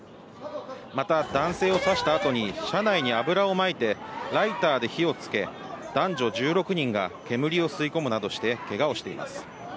また、男性を刺した後に車内に油をまいてライターで火をつけ、男女１６人が煙を吸い込むなどしてけがをしています。